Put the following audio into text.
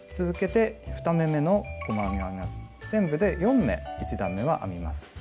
続けて２目めの細編みを編みます。